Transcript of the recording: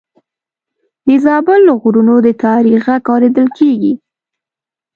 د زابل له غرونو د تاریخ غږ اورېدل کېږي.